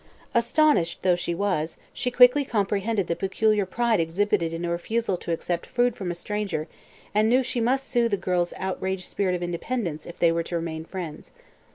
Astonished though she was, she quickly comprehended the peculiar pride exhibited in a refusal to accept food from a stranger and knew she must soothe the girl's outraged spirit of independence if they were to remain friends.